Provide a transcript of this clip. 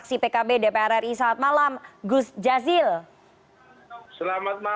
siap selamat malam pak jazilul